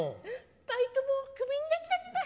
バイトもクビになっちゃった。